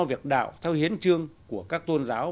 việc đạo theo hiến trương của các tôn giáo